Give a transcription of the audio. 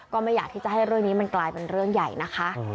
ก็ไม่อยากที่จะให้เรื่องนี้มันกลายเป็นเรื่องใหญ่นะคะ